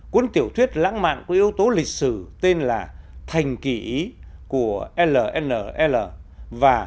quân tiểu thuyết lãng mạn của yếu tố lịch sử tên là thành kỳ ý của lnl và